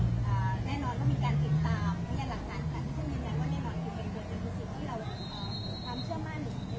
ก็คือสิทธิวที่เรายัดความเชื่อม่าหน่อยได้ของภายในการรักษา